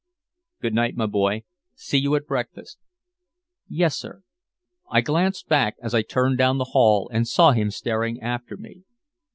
"Good night, my boy. See you at breakfast." "Yes, sir." I glanced back as I turned down the hall and saw him staring after me.